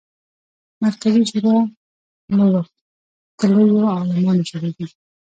مرکزي شورا له وتلیو عالمانو جوړېږي.